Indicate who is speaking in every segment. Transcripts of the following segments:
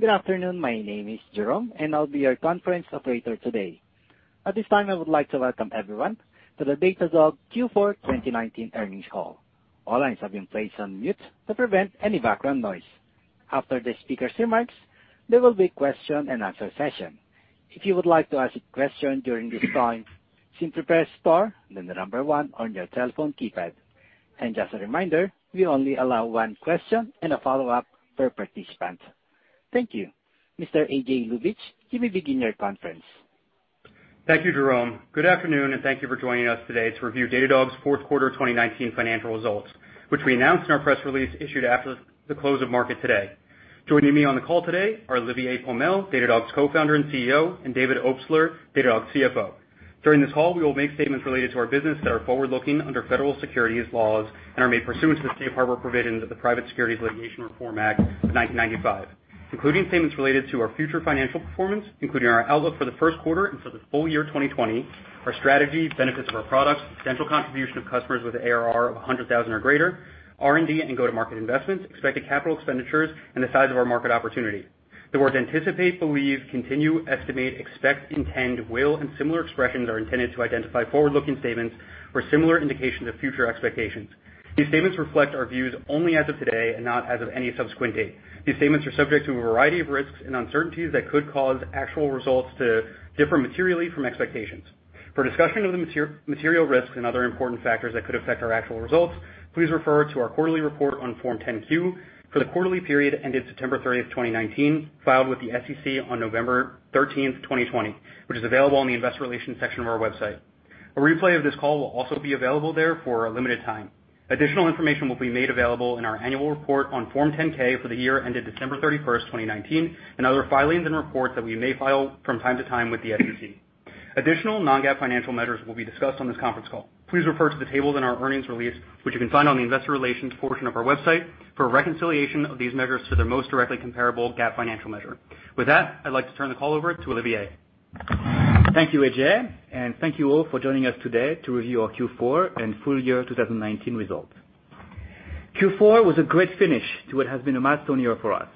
Speaker 1: Good afternoon. My name is Jerome, and I'll be your conference operator today. At this time, I would like to welcome everyone to the Datadog Q4 2019 earnings call. All lines have been placed on mute to prevent any background noise. After the speaker's remarks, there will be question and answer session. If you would like to ask a question during this time, simply press star, then the number 1 on your telephone keypad. Just a reminder, we only allow 1 question and a follow-up per participant. Thank you. Mr. A.J. Ljubich, you may begin your conference.
Speaker 2: Thank you, Jerome. Good afternoon, and thank you for joining us today to review Datadog's fourth quarter 2019 financial results, which we announced in our press release issued after the close of market today. Joining me on the call today are Olivier Pomel, Datadog's Co-founder and CEO, and David Obstler, Datadog's CFO. During this call, we will make statements related to our business that are forward-looking under federal securities laws and are made pursuant to the Safe Harbor provisions of the Private Securities Litigation Reform Act of 1995, including statements related to our future financial performance, including our outlook for the first quarter into the full year 2020, our strategy, benefits of our products, potential contribution of customers with ARR of 100,000 or greater, R&D and go-to-market investments, expected capital expenditures, and the size of our market opportunity. The word anticipate, believe, continue, estimate, expect, intend, will, and similar expressions are intended to identify forward-looking statements or similar indications of future expectations. These statements reflect our views only as of today and not as of any subsequent date. These statements are subject to a variety of risks and uncertainties that could cause actual results to differ materially from expectations. For discussion of the material risks and other important factors that could affect our actual results, please refer to our quarterly report on Form 10-Q for the quarterly period ended September 30, 2019, filed with the SEC on November 13, 2020, which is available on the investor relations section of our website. A replay of this call will also be available there for a limited time. Additional information will be made available in our annual report on Form 10-K for the year ended December 31, 2019, and other filings and reports that we may file from time to time with the SEC. Additional non-GAAP financial measures will be discussed on this conference call. Please refer to the tables in our earnings release, which you can find on the investor relations portion of our website, for a reconciliation of these measures to their most directly comparable GAAP financial measure. With that, I'd like to turn the call over to Olivier.
Speaker 3: Thank you, A.J. Ljubich, and thank you all for joining us today to review our Q4 and full year 2019 results. Q4 was a great finish to what has been a milestone year for us.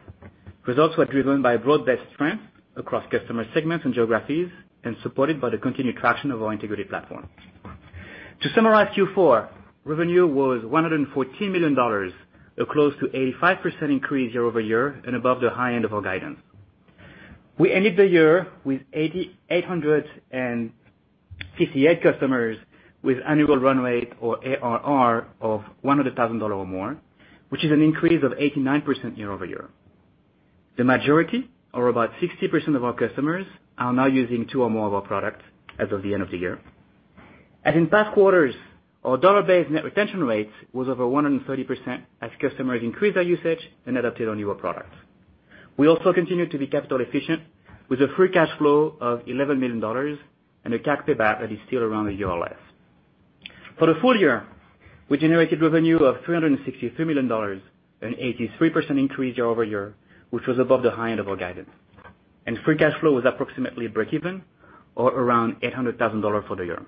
Speaker 3: Results were driven by broad-based strength across customer segments and geographies and supported by the continued traction of our integrated platform. To summarize Q4, revenue was $114 million, a close to 85% increase year-over-year and above the high end of our guidance. We ended the year with 858 customers with annual run rate or ARR of $100,000 or more, which is an increase of 89% year-over-year. The majority, or about 60% of our customers, are now using two or more of our products as of the end of the year. As in past quarters, our dollar-based net retention rate was over 130% as customers increased their usage and adopted on newer products. We also continued to be capital efficient with a free cash flow of $11 million and a CAC payback that is still around a year or less. For the full year, we generated revenue of $363 million, an 83% increase year-over-year, which was above the high end of our guidance. Free cash flow was approximately break even or around $800,000 for the year.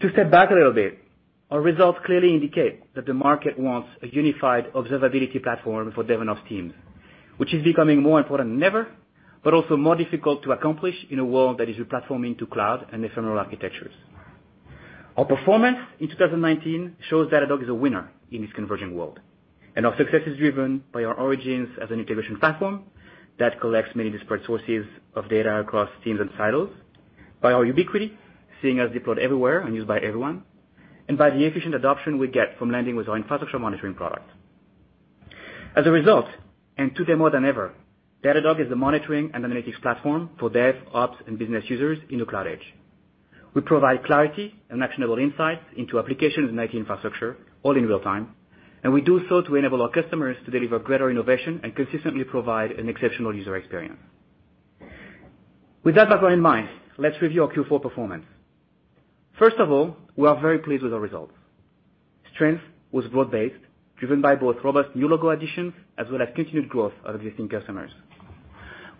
Speaker 3: To step back a little bit, our results clearly indicate that the market wants a unified observability platform for Dev and Ops teams, which is becoming more important than ever, but also more difficult to accomplish in a world that is replatforming to cloud and ephemeral architectures. Our performance in 2019 shows Datadog is a winner in this converging world. Our success is driven by our origins as an integration platform that collects many disparate sources of data across teams and silos, by our ubiquity, seeing us deployed everywhere and used by everyone, and by the efficient adoption we get from landing with our Infrastructure Monitoring product. As a result, today more than ever, Datadog is the monitoring and analytics platform for dev, ops, and business users in the cloud age. We provide clarity and actionable insights into applications and IT infrastructure all in real time. We do so to enable our customers to deliver greater innovation and consistently provide an exceptional user experience. With that background in mind, let's review our Q4 performance. First of all, we are very pleased with our results. Strength was broad-based, driven by both robust new logo additions as well as continued growth of existing customers.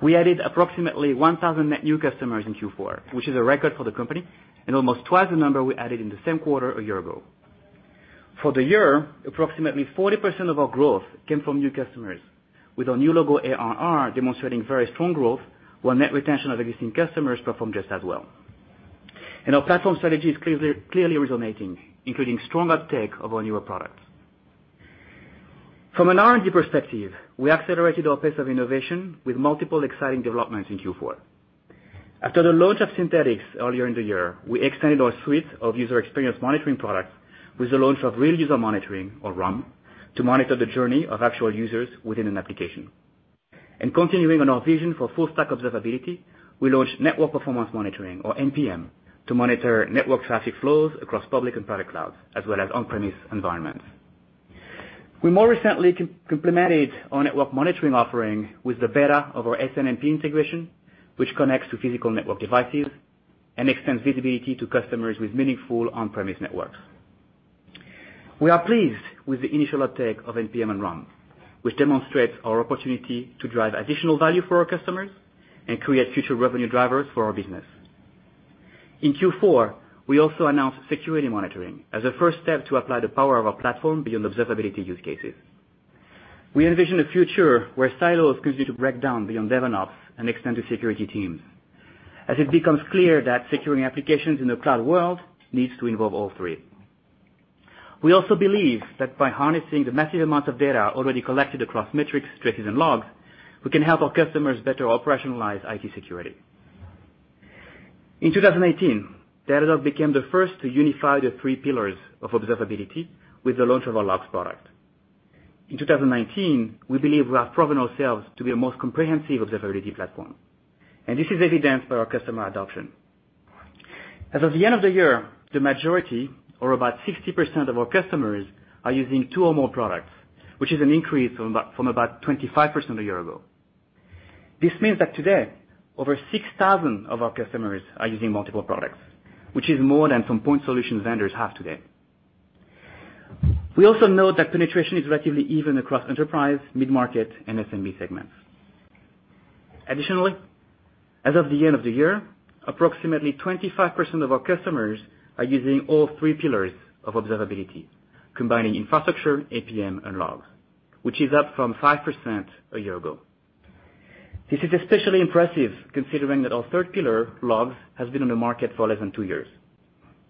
Speaker 3: We added approximately 1,000 net new customers in Q4, which is a record for the company and almost twice the number we added in the same quarter a year ago. For the year, approximately 40% of our growth came from new customers with our new logo ARR demonstrating very strong growth, while net retention of existing customers performed just as well. Our platform strategy is clearly resonating, including strong uptake of our newer products. From an R&D perspective, we accelerated our pace of innovation with multiple exciting developments in Q4. After the launch of Synthetics earlier in the year, we extended our suite of user experience monitoring products with the launch of Real User Monitoring, or RUM, to monitor the journey of actual users within an application. Continuing on our vision for full stack observability, we launched Network Performance Monitoring, or NPM, to monitor network traffic flows across public and private clouds, as well as on-premise environments. We more recently complemented our network monitoring offering with the beta of our SNMP integration, which connects to physical network devices and extends visibility to customers with meaningful on-premise networks. We are pleased with the initial uptake of NPM and RUM, which demonstrates our opportunity to drive additional value for our customers and create future revenue drivers for our business. In Q4, we also announced Security Monitoring as a first step to apply the power of our platform beyond observability use cases. We envision a future where silos continue to break down beyond DevOps and extend to security teams, as it becomes clear that securing applications in the cloud world needs to involve all three. We also believe that by harnessing the massive amounts of data already collected across metrics, traces, and logs, we can help our customers better operationalize IT security. In 2018, Datadog became the first to unify the three pillars of observability with the launch of our logs product. In 2019, we believe we have proven ourselves to be the most comprehensive observability platform, and this is evidenced by our customer adoption. As of the end of the year, the majority or about 60% of our customers are using two or more products, which is an increase from about 25% a year ago. This means that today, over 6,000 of our customers are using multiple products, which is more than some point solution vendors have today. We also know that penetration is relatively even across enterprise, mid-market, and SMB segments. Additionally, as of the end of the year, approximately 25% of our customers are using all three pillars of observability, combining infrastructure, APM, and logs, which is up from 5% a year ago. This is especially impressive considering that our third pillar, logs, has been on the market for less than two years.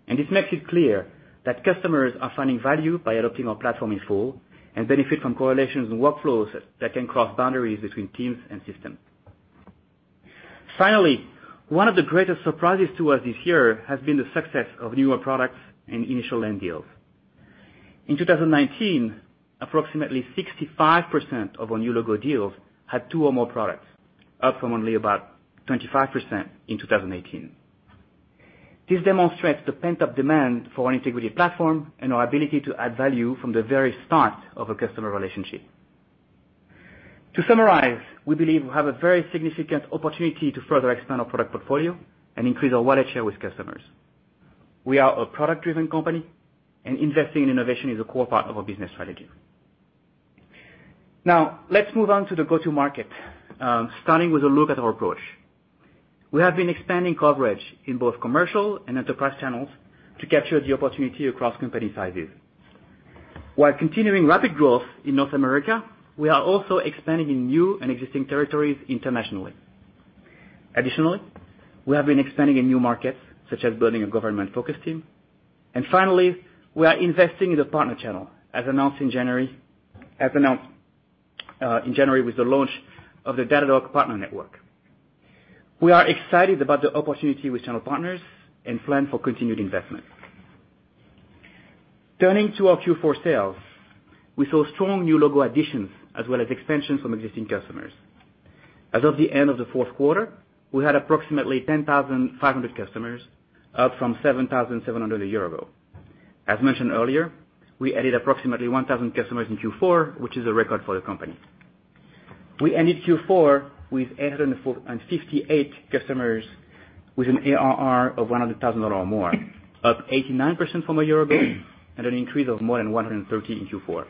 Speaker 3: This makes it clear that customers are finding value by adopting our platform in full and benefit from correlations and workflows that can cross boundaries between teams and systems. One of the greatest surprises to us this year has been the success of newer products and initial land deals. In 2019, approximately 65% of our new logo deals had two or more products, up from only about 25% in 2018. This demonstrates the pent-up demand for an integrated platform and our ability to add value from the very start of a customer relationship. To summarize, we believe we have a very significant opportunity to further expand our product portfolio and increase our wallet share with customers. We are a product-driven company, and investing in innovation is a core part of our business strategy. Now, let's move on to the go-to market, starting with a look at our approach. We have been expanding coverage in both commercial and enterprise channels to capture the opportunity across company sizes. While continuing rapid growth in North America, we are also expanding in new and existing territories internationally. Additionally, we have been expanding in new markets, such as building a government focus team. Finally, we are investing in the partner channel, as announced in January, as announced in January with the launch of the Datadog Partner Network. We are excited about the opportunity with channel partners and plan for continued investment. Turning to our Q4 sales, we saw strong new logo additions as well as extensions from existing customers. As of the end of the fourth quarter, we had approximately 10,500 customers, up from 7,700 a year ago. As mentioned earlier, we added approximately 1,000 customers in Q4, which is a record for the company. We ended Q4 with 858 customers with an ARR of $100,000 or more, up 89% from a year ago and an increase of more than 130 in Q4.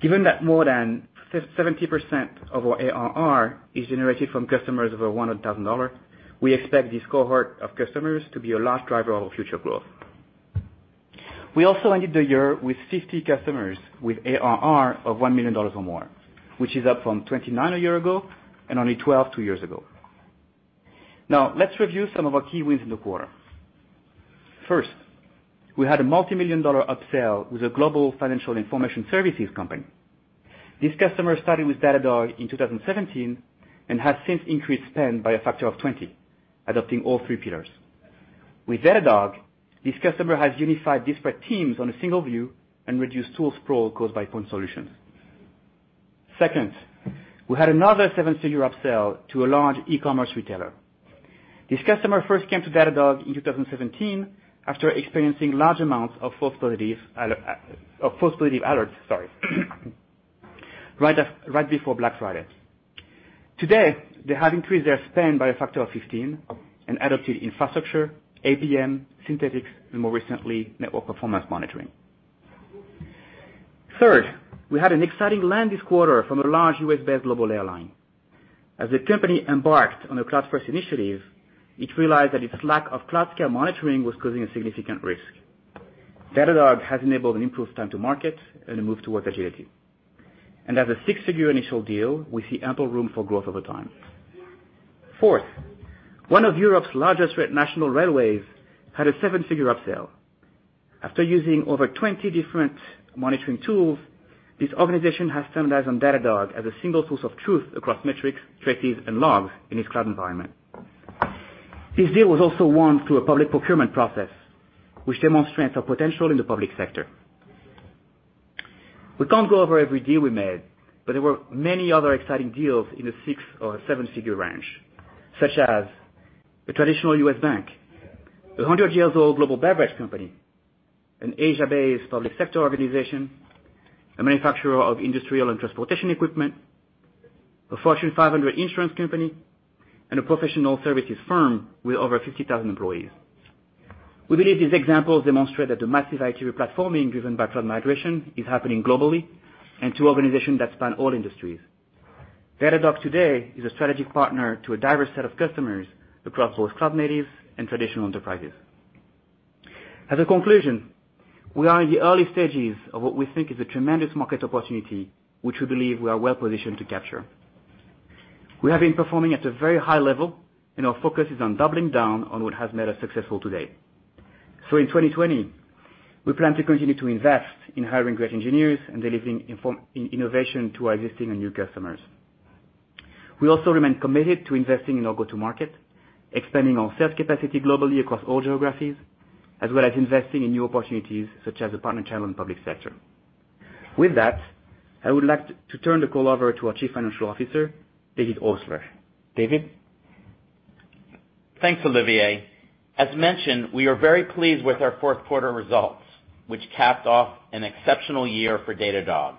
Speaker 3: Given that more than 70% of our ARR is generated from customers over $100,000, we expect this cohort of customers to be a large driver of future growth. We also ended the year with 50 customers with ARR of $1 million or more, which is up from 29 a year ago and only 12 two years ago. Let's review some of our key wins in the quarter. First, we had a multi-million dollar upsell with a global financial information services company. This customer started with Datadog in 2017 and has since increased spend by a factor of 20, adopting all three pillars. With Datadog, this customer has unified disparate teams on a single view and reduced tool sprawl caused by point solutions. Second, we had another seven-figure upsell to a large e-commerce retailer. This customer first came to Datadog in 2017 after experiencing large amounts of false positive alerts, sorry, right before Black Friday. Today, they have increased their spend by a factor of 15 and adopted infrastructure, APM, Synthetics, and more recently, Network Performance Monitoring. Third, we had an exciting land this quarter from a large U.S.-based global airline. As the company embarked on a cloud-first initiative, it realized that its lack of cloud scale monitoring was causing a significant risk. Datadog has enabled an improved time to market and a move towards agility. As a six-figure initial deal, we see ample room for growth over time. Fourth, one of Europe's largest national railways had a seven-figure upsell. After using over 20 different monitoring tools, this organization has standardized on Datadog as a single source of truth across metrics, traces, and logs in its cloud environment. This deal was also won through a public procurement process, which demonstrates our potential in the public sector. We can't go over every deal we made. There were many other exciting deals in the six or seven-figure range, such as a traditional U.S. bank, a 100-year-old global beverage company, an Asia-based public sector organization, a manufacturer of industrial and transportation equipment, a Fortune 500 insurance company, and a professional services firm with over 50,000 employees. We believe these examples demonstrate that the massive IT platforming driven by cloud migration is happening globally and to organizations that span all industries. Datadog today is a strategic partner to a diverse set of customers across both cloud natives and traditional enterprises. As a conclusion, we are in the early stages of what we think is a tremendous market opportunity, which we believe we are well-positioned to capture. Our focus is on doubling down on what has made us successful today. In 2020, we plan to continue to invest in hiring great engineers and delivering in innovation to our existing and new customers. We also remain committed to investing in our go-to market, expanding our sales capacity globally across all geographies, as well as investing in new opportunities such as the partner channel and public sector. With that, I would like to turn the call over to our Chief Financial Officer, David Obstler. David?
Speaker 4: Thanks, Olivier. As mentioned, we are very pleased with our fourth quarter results, which capped off an exceptional year for Datadog.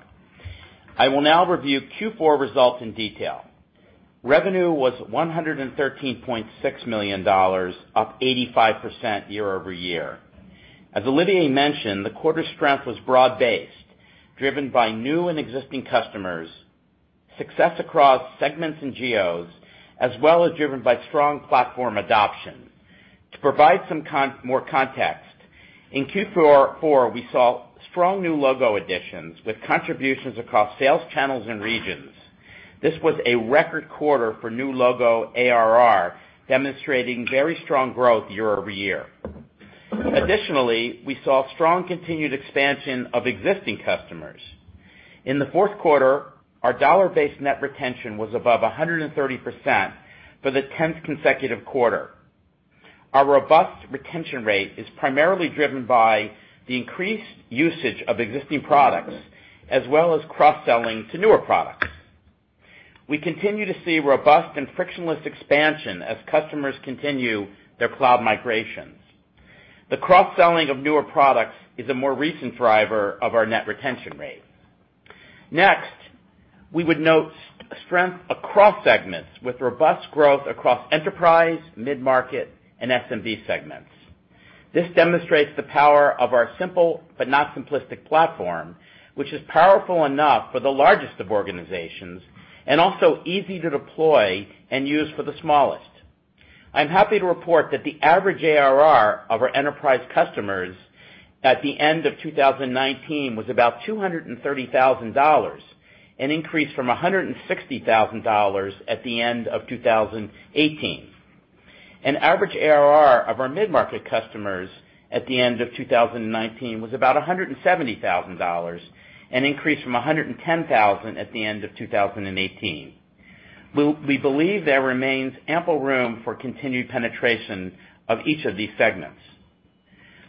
Speaker 4: I will now review Q4 results in detail. Revenue was $113.6 million, up 85% year-over-year. As Olivier mentioned, the quarter strength was broad-based, driven by new and existing customers, success across segments and geos, as well as driven by strong platform adoption. To provide more context, in Q4, we saw strong new logo additions with contributions across sales channels and regions. This was a record quarter for new logo ARR, demonstrating very strong growth year-over-year. We saw strong continued expansion of existing customers. In the fourth quarter, our dollar-based net retention was above 130% for the 10th consecutive quarter. Our robust retention rate is primarily driven by the increased usage of existing products as well as cross-selling to newer products. We continue to see robust and frictionless expansion as customers continue their cloud migrations. The cross-selling of newer products is a more recent driver of our net retention rate. Next, we would note strength across segments with robust growth across enterprise, mid-market, and SMB segments. This demonstrates the power of our simple but not simplistic platform, which is powerful enough for the largest of organizations and also easy to deploy and use for the smallest. I'm happy to report that the average ARR of our enterprise customers at the end of 2019 was about $230,000, an increase from $160,000 at the end of 2018. An average ARR of our mid-market customers at the end of 2019 was about $170,000, an increase from $110,000 at the end of 2018. We believe there remains ample room for continued penetration of each of these segments.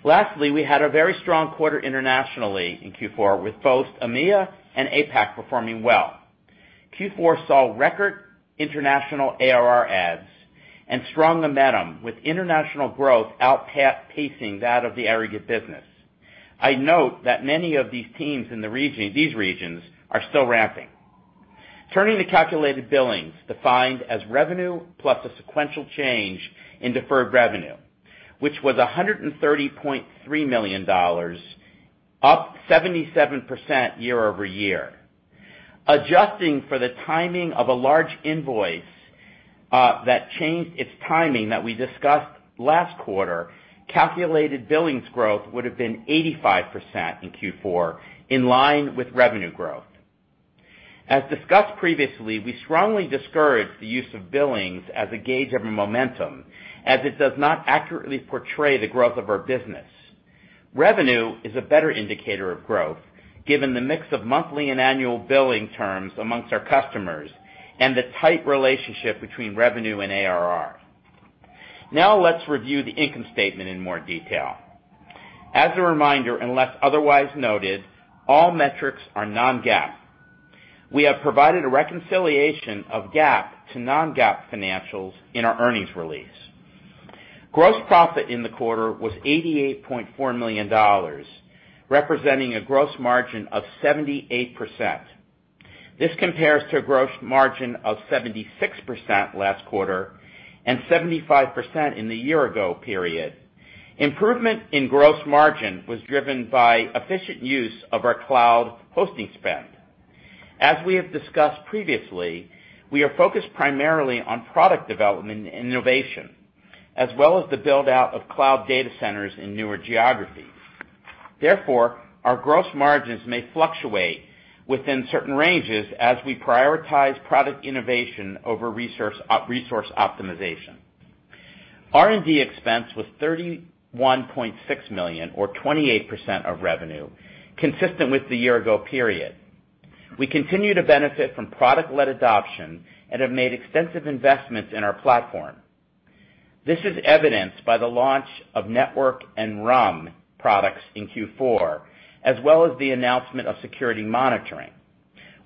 Speaker 4: We had a very strong quarter internationally in Q4, with both EMEA and APAC performing well. Q4 saw record international ARR adds and strong momentum with international growth outpacing that of the aggregate business. I'd note that many of these teams in these regions are still ramping. Turning to calculated billings, defined as revenue plus a sequential change in deferred revenue, which was $130.3 million, up 77% year-over-year. Adjusting for the timing of a large invoice, that changed its timing that we discussed last quarter, calculated billings growth would have been 85% in Q4, in line with revenue growth. As discussed previously, we strongly discourage the use of billings as a gauge of momentum, as it does not accurately portray the growth of our business. Revenue is a better indicator of growth, given the mix of monthly and annual billing terms amongst our customers and the tight relationship between revenue and ARR. Let's review the income statement in more detail. As a reminder, unless otherwise noted, all metrics are non-GAAP. We have provided a reconciliation of GAAP to non-GAAP financials in our earnings release. Gross profit in the quarter was $88.4 million, representing a gross margin of 78%. This compares to a gross margin of 76% last quarter and 75% in the year ago period. Improvement in gross margin was driven by efficient use of our cloud hosting spend. As we have discussed previously, we are focused primarily on product development and innovation, as well as the build-out of cloud data centers in newer geographies. Therefore, our gross margins may fluctuate within certain ranges as we prioritize product innovation over resource optimization. R&D expense was $31.6 million or 28% of revenue, consistent with the year ago period. We continue to benefit from product-led adoption and have made extensive investments in our platform. This is evidenced by the launch of Network and RUM products in Q4, as well as the announcement of Security Monitoring.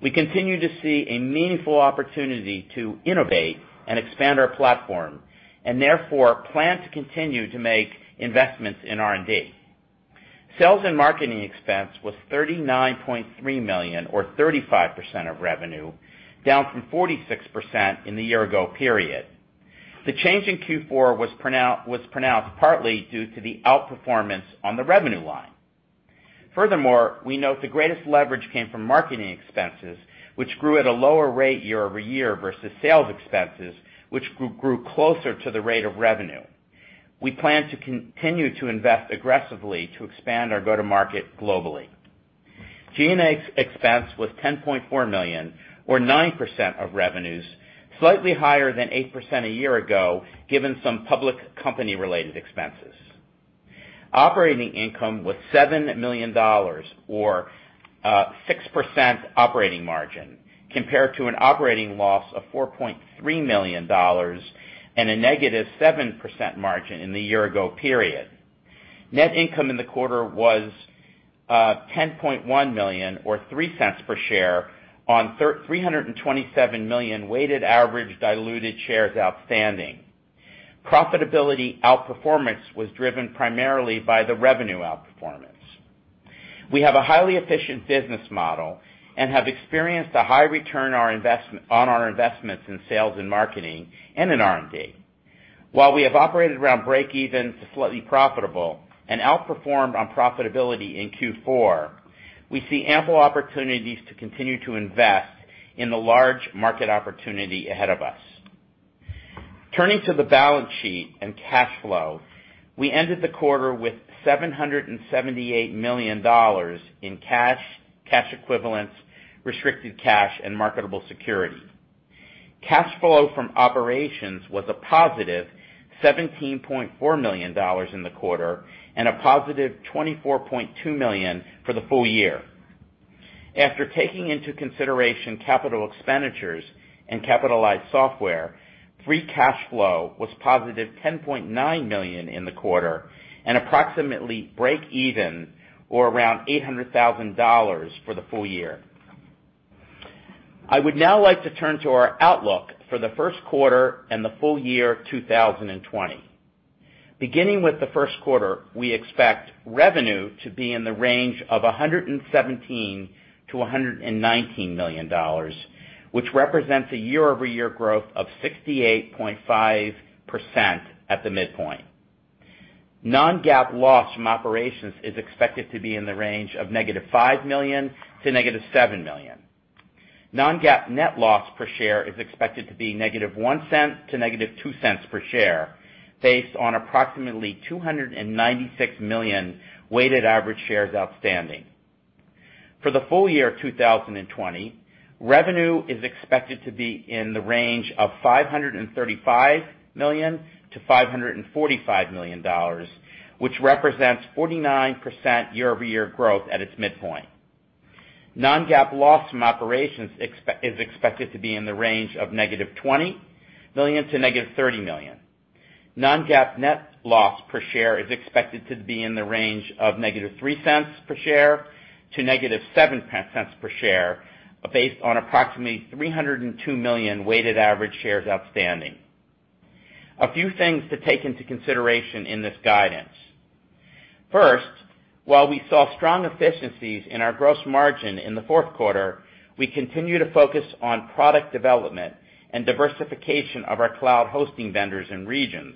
Speaker 4: We continue to see a meaningful opportunity to innovate and expand our platform and therefore plan to continue to make investments in R&D. Sales and marketing expense was $39.3 million or 35% of revenue, down from 46% in the year-ago period. The change in Q4 was pronounced partly due to the outperformance on the revenue line. Furthermore, we note the greatest leverage came from marketing expenses, which grew at a lower rate year-over-year versus sales expenses, which grew closer to the rate of revenue. We plan to continue to invest aggressively to expand our go-to-market globally. G&A expense was $10.4 million or 9% of revenues, slightly higher than 8% a year ago, given some public company related expenses. Operating income was $7 million or 6% operating margin compared to an operating loss of $4.3 million and a negative 7% margin in the year ago period. Net income in the quarter was $10.1 million or $0.03 per share on 327 million weighted average diluted shares outstanding. Profitability outperformance was driven primarily by the revenue outperformance. We have a highly efficient business model and have experienced a high return on our investments in sales and marketing and in R&D. While we have operated around break even to slightly profitable and outperformed on profitability in Q4, we see ample opportunities to continue to invest in the large market opportunity ahead of us. Turning to the balance sheet and cash flow, we ended the quarter with $778 million in cash equivalents, restricted cash and marketable securities. Cash flow from operations was a positive $17.4 million in the quarter and a positive $24.2 million for the full year. After taking into consideration capital expenditures and capitalized software, free cash flow was positive $10.9 million in the quarter and approximately break even or around $800,000 for the full year. I would now like to turn to our outlook for the first quarter and the full year 2020. Beginning with the first quarter, we expect revenue to be in the range of $117 million-$119 million, which represents a year-over-year growth of 68.5% at the midpoint. Non-GAAP loss from operations is expected to be in the range of negative $5 million to negative $7 million. Non-GAAP net loss per share is expected to be negative $0.01 to negative $0.02 per share based on approximately 296 million weighted average shares outstanding. For the full year 2020, revenue is expected to be in the range of $535 million-$545 million, which represents 49% year-over-year growth at its midpoint. Non-GAAP loss from operations is expected to be in the range of negative $20 million to negative $30 million. Non-GAAP net loss per share is expected to be in the range of negative $0.03 per share to negative $0.07 per share based on approximately 302 million weighted average shares outstanding. A few things to take into consideration in this guidance. First, while we saw strong efficiencies in our gross margin in the fourth quarter, we continue to focus on product development and diversification of our cloud hosting vendors and regions.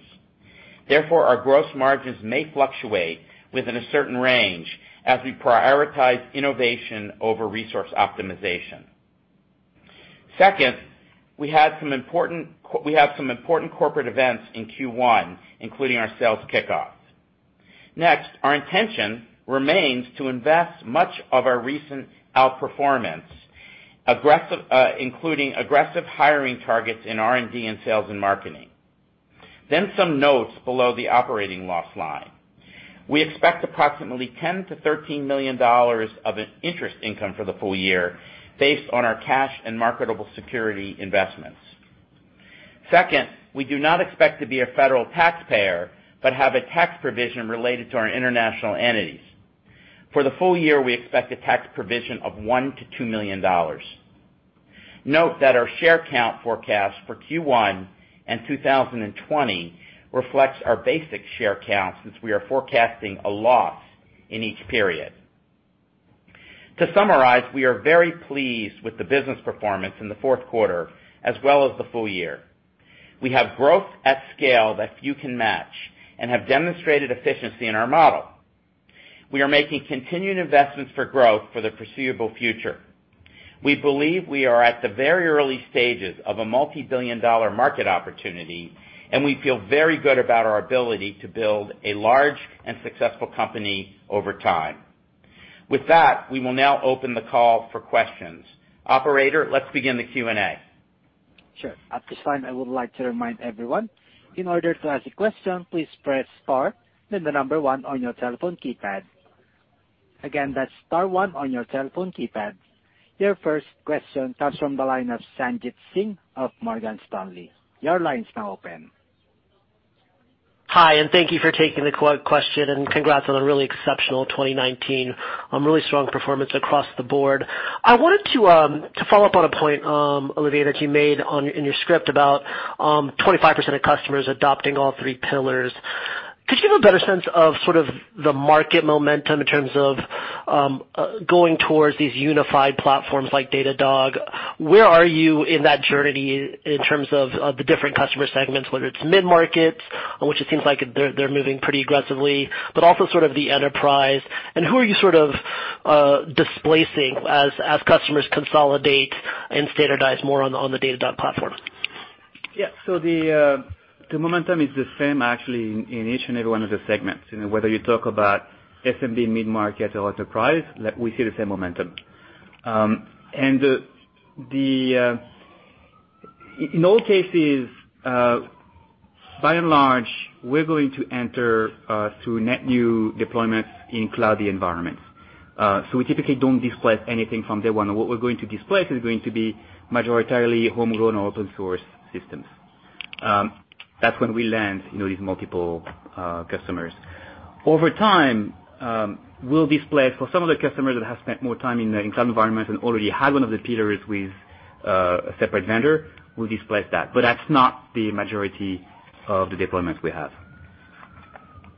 Speaker 4: Therefore, our gross margins may fluctuate within a certain range as we prioritize innovation over resource optimization. Second, we have some important corporate events in Q1, including our sales kickoff. Next, our intention remains to invest much of our recent outperformance, aggressive, including aggressive hiring targets in R&D and sales and marketing. Some notes below the operating loss line. We expect approximately $10 million-$13 million of an interest income for the full year based on our cash and marketable security investments. Second, we do not expect to be a federal taxpayer, but have a tax provision related to our international entities. For the full year, we expect a tax provision of $1 million-$2 million. Note that our share count forecast for Q1 and 2020 reflects our basic share count since we are forecasting a loss in each period. To summarize, we are very pleased with the business performance in the fourth quarter as well as the full year. We have growth at scale that few can match and have demonstrated efficiency in our model. We are making continued investments for growth for the foreseeable future. We believe we are at the very early stages of a multi-billion dollar market opportunity, and we feel very good about our ability to build a large and successful company over time. With that, we will now open the call for questions. Operator, let's begin the Q&A.
Speaker 1: Your first question comes from the line of Sanjit Singh of Morgan Stanley. Your line is now open.
Speaker 5: Hi, thank you for taking the question, congrats on a really exceptional 2019, really strong performance across the board. I wanted to follow up on a point, Olivier, that you made in your script about 25% of customers adopting all three pillars. Could you have a better sense of sort of the market momentum in terms of going towards these unified platforms like Datadog? Where are you in that journey in terms of the different customer segments, whether it's mid-markets, which it seems like they're moving pretty aggressively, also sort of the enterprise, and who are you sort of displacing as customers consolidate and standardize more on the Datadog platform?
Speaker 3: Yeah. The momentum is the same actually in each and every one of the segments. You know, whether you talk about SMB mid-market or enterprise, like, we see the same momentum. In all cases, by and large, we're going to enter through net new deployments in cloudy environments. We typically don't displace anything from day one. What we're going to displace is going to be majoritarily homegrown open source systems. That's when we land, you know, these multiple customers. Over time, we'll displace for some of the customers that have spent more time in cloud environments and already had one of the pillars with a separate vendor, we'll displace that. That's not the majority of the deployments we have.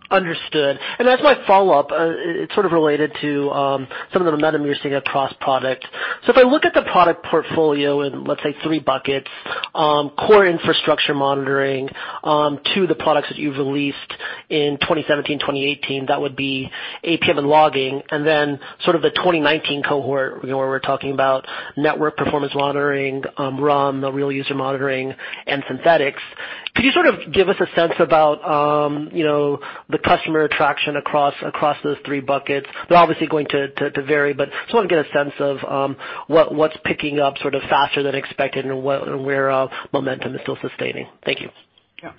Speaker 5: Understood. As my follow-up, it's sort of related to some of the momentum you're seeing across product. If I look at the product portfolio in, let's say, three buckets, core Infrastructure Monitoring, two of the products that you've released in 2017, 2018, that would be APM and logging, and then sort of the 2019 cohort, you know, where we're talking about Network Performance Monitoring, RUM, the Real User Monitoring, and Synthetics. Could you sort of give us a sense about, you know, the customer traction across those three buckets? They're obviously going to vary, but just wanna get a sense of what's picking up sort of faster than expected and where momentum is still sustaining. Thank you.
Speaker 3: Yeah.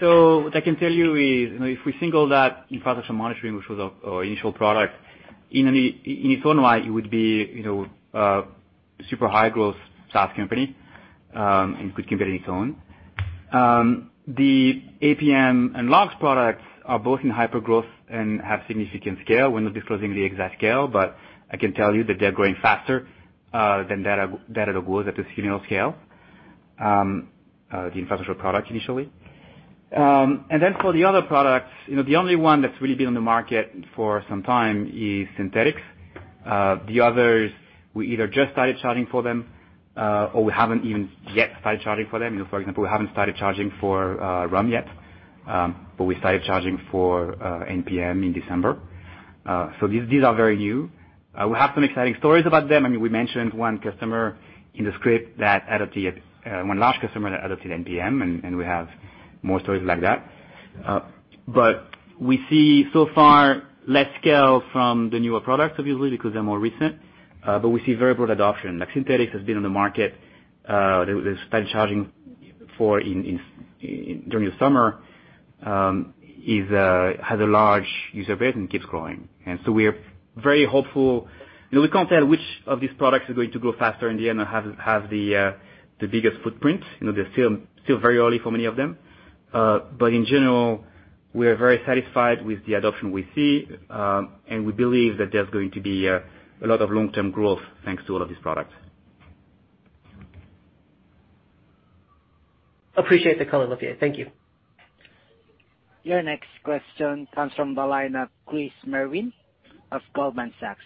Speaker 3: What I can tell you is, you know, if we think all that Infrastructure Monitoring, which was our initial product, in its own right, it would be, you know, super high growth SaaS company and could compete on its own. The APM and logs products are both in hypergrowth and have significant scale. We're not disclosing the exact scale, but I can tell you that they're growing faster than Datadog was at the scale, the infrastructure product initially. For the other products, you know, the only one that's really been on the market for some time is Synthetics. The others, we either just started charging for them or we haven't even yet started charging for them. You know, for example, we haven't started charging for RUM yet, but we started charging for NPM in December. These are very new. We have some exciting stories about them. I mean, we mentioned one large customer that adopted NPM, and we have more stories like that. We see so far less scale from the newer products obviously because they're more recent, but we see very broad adoption. Like Synthetics has been on the market, they started charging for during the summer, has a large user base and keeps growing. We are very hopeful. You know, we can't tell which of these products are going to grow faster in the end or have the biggest footprint. You know, they're still very early for many of them. In general, we are very satisfied with the adoption we see, We believe that there's going to be a lot of long-term growth thanks to all of these products.
Speaker 5: Appreciate the color, Olivier. Thank you.
Speaker 1: Your next question comes from the line of Chris Merwin of Goldman Sachs.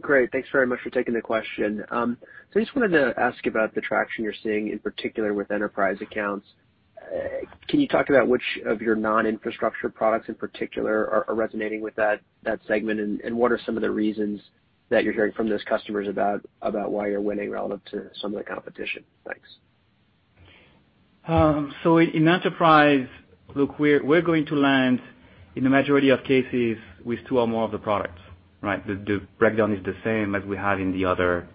Speaker 6: Great. Thanks very much for taking the question. I just wanted to ask about the traction you're seeing in particular with enterprise accounts. Can you talk about which of your non-Infrastructure products in particular are resonating with that segment? What are some of the reasons that you're hearing from those customers why you're winning relative to some of the competition? Thanks.
Speaker 3: In enterprise, look, we're going to land in the majority of cases with two or more of the products, right? The breakdown is the same as we have in the other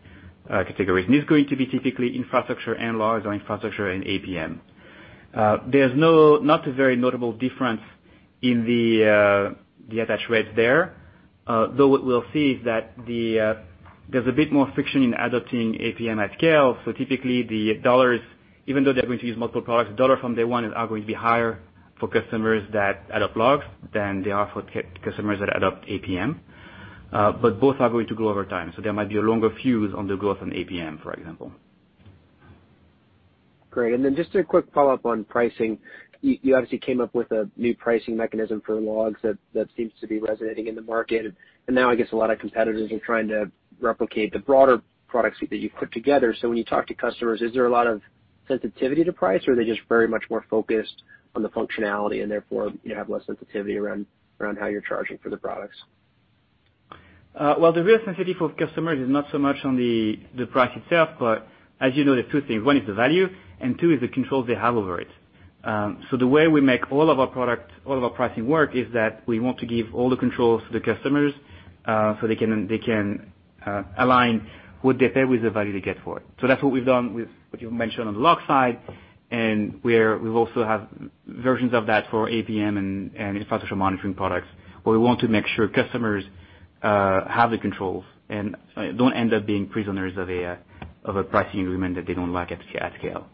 Speaker 3: categories. It's going to be typically Infrastructure and logs or Infrastructure and APM. There's not a very notable difference in the attach rates there. Though what we'll see is that there's a bit more friction in adopting APM at scale. Typically, the dollars, even though they're going to use multiple products, dollars from day 1 are going to be higher for customers that adopt logs than they are for customers that adopt APM. Both are going to grow over time, so there might be a longer fuse on the growth on APM, for example.
Speaker 6: Great. Just a quick follow-up on pricing. You obviously came up with a new pricing mechanism for logs that seems to be resonating in the market. Now I guess a lot of competitors are trying to replicate the broader products that you've put together. When you talk to customers, is there a lot of sensitivity to price, or are they just very much more focused on the functionality and therefore, you have less sensitivity around how you're charging for the products?
Speaker 3: Well, the real sensitivity for customers is not so much on the price itself, but as you know, there are two things. One is the value, and two is the control they have over it. The way we make all of our pricing work is that we want to give all the controls to the customers, so they can align what they pay with the value they get for it. That's what we've done with what you mentioned on the log side, and we've also have versions of that for APM and Infrastructure Monitoring products, where we want to make sure customers have the controls and don't end up being prisoners of a pricing agreement that they don't like at scale.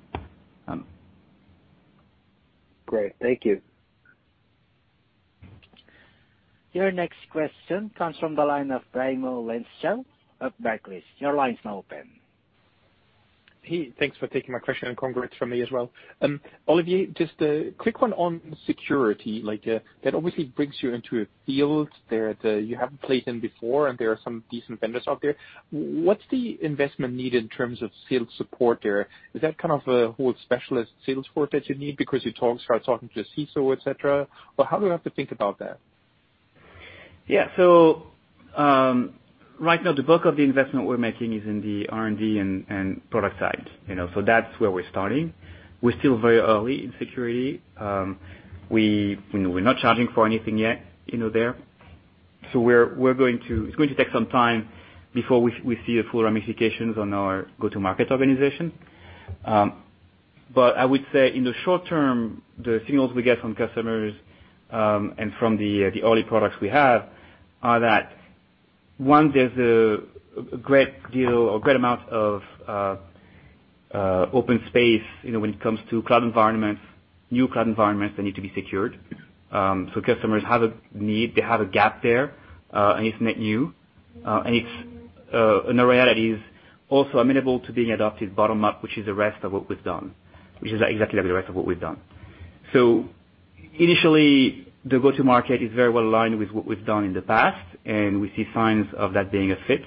Speaker 6: Great. Thank you.
Speaker 1: Your next question comes from the line of Raimo Lenschow of Barclays. Your line is now open.
Speaker 7: Hey, thanks for taking my question, and congrats from me as well. Olivier, just a quick one on security. Like, that obviously brings you into a field that you haven't played in before, and there are some decent vendors out there. What's the investment need in terms of sales support there? Is that kind of a whole specialist sales force that you need because you start talking to a CISO, et cetera? How do we have to think about that?
Speaker 3: Yeah. Right now the bulk of the investment we're making is in the R&D and product side, you know. That's where we're starting. We're still very early in security. We, you know, we're not charging for anything yet, you know, there. It's going to take some time before we see full ramifications on our go-to-market organization. I would say in the short term, the signals we get from customers and from the early products we have are that one, there's a great deal or great amount of open space, you know, when it comes to cloud environments, new cloud environments that need to be secured. Customers have a need, they have a gap there, and it's net new. The reality is also amenable to being adopted bottom up, which is the rest of what we've done, which is exactly like the rest of what we've done. Initially, the go-to-market is very well aligned with what we've done in the past, and we see signs of that being a fit.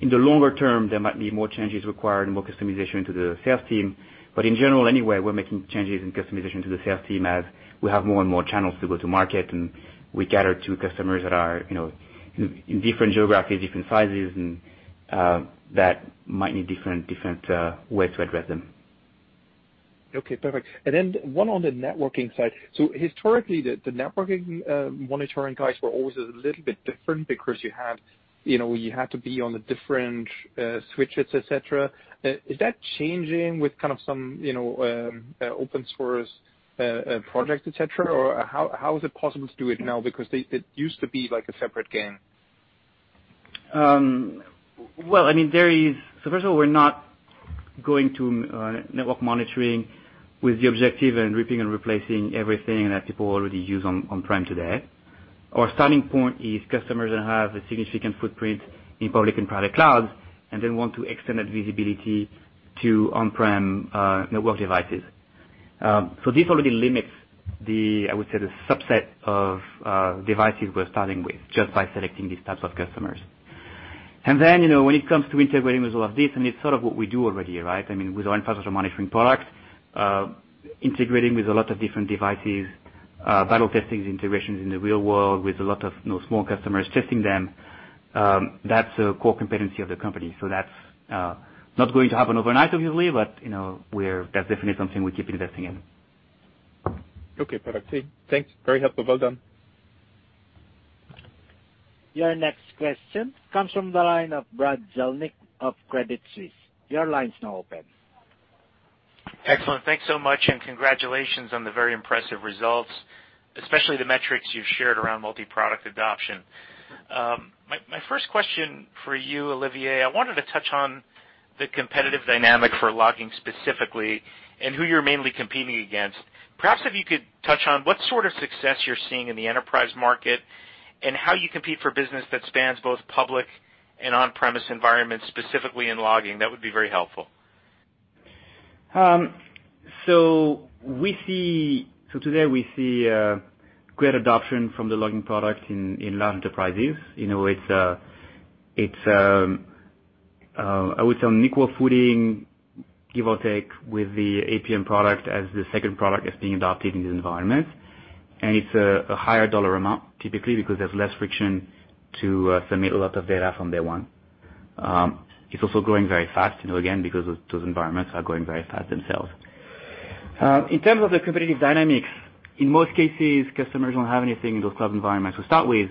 Speaker 3: In the longer term, there might be more changes required and more customization to the sales team. In general, anyway, we're making changes in customization to the sales team as we have more and more channels to go to market, and we cater to customers that are, you know, in different geographies, different sizes, and that might need different ways to address them.
Speaker 7: Okay. Perfect. One on the networking side. Historically, the networking monitoring guys were always a little bit different because You know, you had to be on the different switches, et cetera. Is that changing with kind of some, you know, open source project, et cetera? How is it possible to do it now? It used to be like a separate game.
Speaker 3: Well, first of all, we're not going to network monitoring with the objective and ripping and replacing everything that people already use on-prem today. Our starting point is customers that have a significant footprint in public and private clouds and then want to extend that visibility to on-prem network devices. This already limits the, I would say, the subset of devices we're starting with just by selecting these types of customers. You know, when it comes to integrating with all of this, it's sort of what we do already, right? I mean, with our Infrastructure Monitoring product, integrating with a lot of different devices, battle testing integrations in the real world with a lot of, you know, small customers testing them, that's a core competency of the company. That's not going to happen overnight, obviously. You know, that's definitely something we keep investing in.
Speaker 7: Okay. Perfect. Thanks. Very helpful. Well done.
Speaker 1: Your next question comes from the line of Brad Zelnick of Credit Suisse. Your line is now open.
Speaker 8: Excellent. Thanks so much, and congratulations on the very impressive results, especially the metrics you've shared around multi-product adoption. My first question for you, Olivier, I wanted to touch on the competitive dynamic for logging specifically and who you're mainly competing against. Perhaps if you could touch on what sort of success you're seeing in the enterprise market and how you compete for business that spans both public and on-premise environments, specifically in logging. That would be very helpful.
Speaker 3: Today, we see great adoption from the logging product in large enterprises. You know, it's I would say on equal footing, give or take, with the APM product as the second product that's being adopted in these environments. It's a higher dollar amount typically because there's less friction to submit a lot of data from day one. It's also growing very fast, you know, again, because those environments are growing very fast themselves. In terms of the competitive dynamics, in most cases, customers don't have anything in those cloud environments to start with,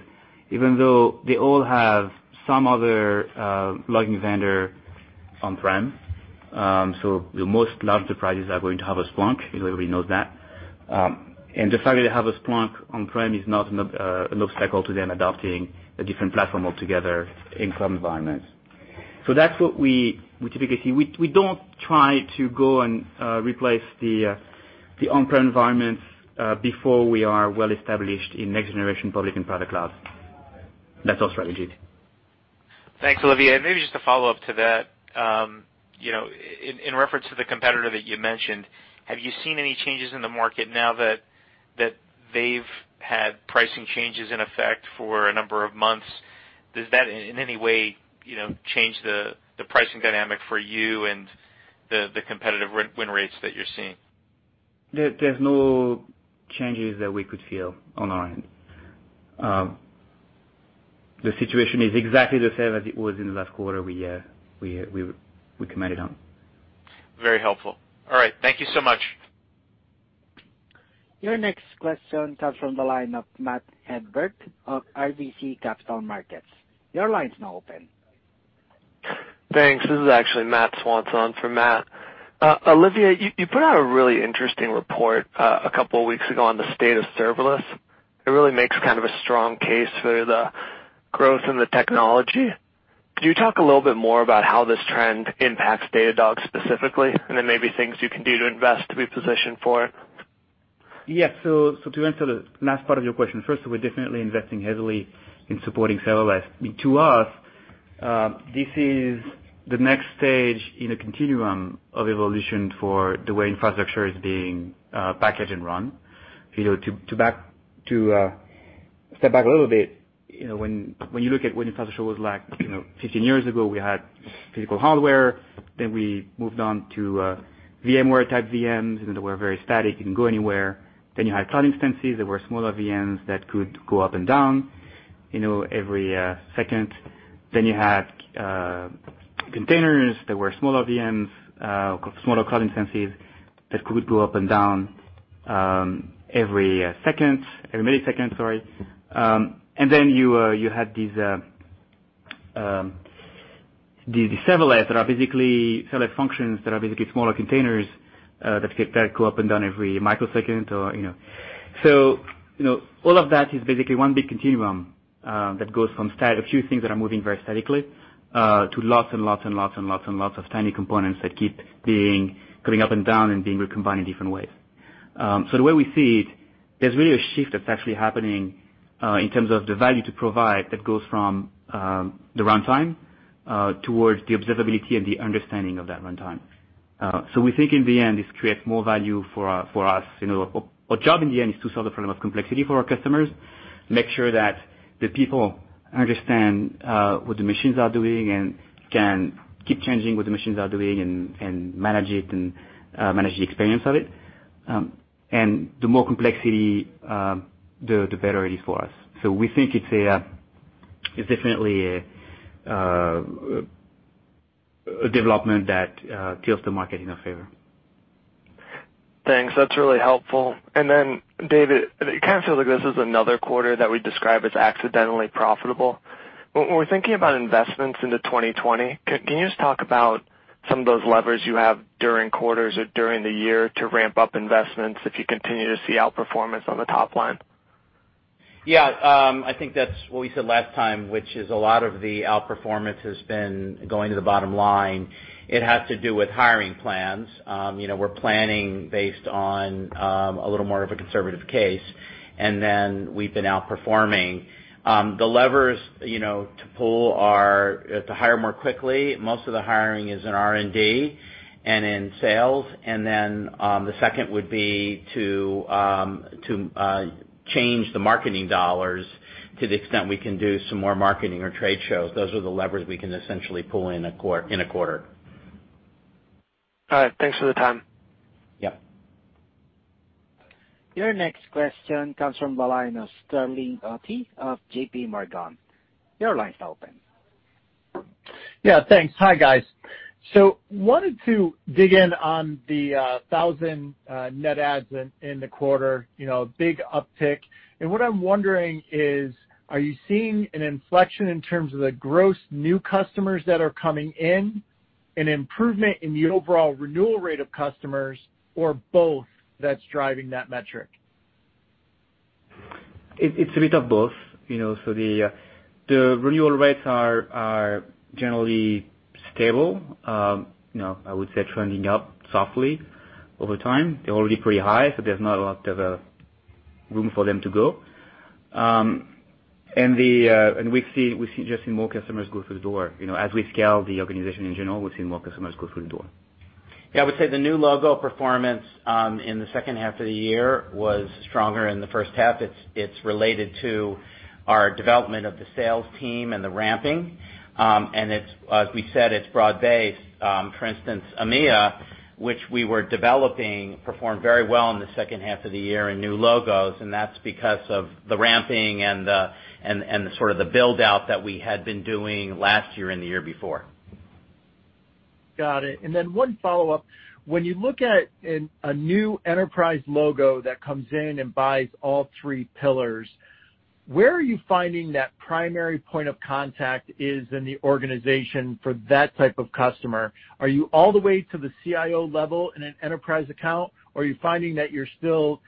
Speaker 3: even though they all have some other logging vendor on-prem. The most large enterprises are going to have a Splunk. Everybody knows that. The fact that they have a Splunk on-prem is not an obstacle to them adopting a different platform altogether in cloud environments. That's what we typically see. We don't try to go and replace the on-prem environments before we are well established in next-generation public and private clouds. That's our strategy.
Speaker 8: Thanks, Olivier. Maybe just a follow-up to that. You know, in reference to the competitor that you mentioned, have you seen any changes in the market now that they've had pricing changes in effect for a number of months? Does that in any way, you know, change the pricing dynamic for you and the competitive win rates that you're seeing?
Speaker 3: There's no changes that we could feel on our end. The situation is exactly the same as it was in the last quarter we commented on.
Speaker 8: Very helpful. All right. Thank you so much.
Speaker 1: Your next question comes from the line of Matt Hedberg of RBC Capital Markets. Your line is now open.
Speaker 9: Thanks. This is actually Matthew Swanson for Matt. Olivier, you put out a really interesting report a couple of weeks ago on the state of serverless. It really makes kind of a strong case for the growth in the technology. Could you talk a little bit more about how this trend impacts Datadog specifically, and then maybe things you can do to invest to be positioned for it?
Speaker 3: Yeah. To answer the last part of your question first, we're definitely investing heavily in supporting serverless. To us, this is the next stage in a continuum of evolution for the way infrastructure is being packaged and run. You know, to step back a little bit, you know, when you look at what infrastructure was like, you know, 15 years ago, we had physical hardware. We moved on to VMware type VMs, and they were very static. You can go anywhere. You had cloud instances that were smaller VMs that could go up and down, you know, every second. You had containers that were smaller VMs, smaller cloud instances that could go up and down, every second, every millisecond, sorry. Then you had these serverless functions that are basically smaller containers that go up and down every microsecond or, you know. You know, all of that is basically one big continuum that goes from a few things that are moving very statically to lots and lots and lots and lots and lots of tiny components that keep going up and down and being recombined in different ways. The way we see it, there's really a shift that's actually happening in terms of the value to provide that goes from the runtime towards the observability and the understanding of that runtime. We think in the end, this creates more value for us. You know, our job in the end is to solve the problem of complexity for our customers, make sure that the people understand what the machines are doing and can keep changing what the machines are doing and manage it and manage the experience of it. The more complexity, the better it is for us. We think it's a, it's definitely a development that tilts the market in our favor.
Speaker 9: Thanks. That's really helpful. Then, David, it kind of feels like this is another quarter that we describe as accidentally profitable. When we're thinking about investments into 2020, can you just talk about some of those levers you have during quarters or during the year to ramp up investments if you continue to see outperformance on the top line?
Speaker 4: Yeah. I think that's what we said last time, which is a lot of the outperformance has been going to the bottom line. It has to do with hiring plans. You know, we're planning based on a little more of a conservative case, we've been outperforming. The levers, you know, to pull are to hire more quickly. Most of the hiring is in R&D and in sales. The second would be to change the marketing dollars to the extent we can do some more marketing or trade shows. Those are the levers we can essentially pull in a quarter.
Speaker 9: All right. Thanks for the time.
Speaker 4: Yeah.
Speaker 1: Your next question comes from the line of Sterling Auty of JPMorgan. Your line's open.
Speaker 10: Yeah, thanks. Hi, guys. Wanted to dig in on the 1,000 net adds in the quarter. You know, big uptick. What I'm wondering is, are you seeing an inflection in terms of the gross new customers that are coming in, an improvement in the overall renewal rate of customers or both that's driving that metric?
Speaker 3: It's a bit of both. You know, the renewal rates are generally stable, you know, I would say trending up softly over time. They're already pretty high, so there's not a lot of room for them to go. The and we've just seen more customers go through the door. You know, as we scale the organization in general, we've seen more customers go through the door.
Speaker 4: Yeah. I would say the new logo performance in the second half of the year was stronger in the first half. It's related to our development of the sales team and the ramping. As we said, it's broad-based. For instance, EMEA, which we were developing, performed very well in the second half of the year in new logos, and that's because of the ramping and the sort of the build-out that we had been doing last year and the year before.
Speaker 10: Got it. One follow-up. When you look at a new enterprise logo that comes in and buys all three pillars, where are you finding that primary point of contact is in the organization for that type of customer? Are you all the way to the CIO level in an enterprise account, or are you finding that you're still